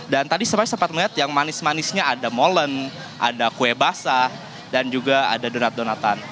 dan tadi saya sempat melihat yang manis manisnya ada molen ada kue basah dan juga ada donat donatan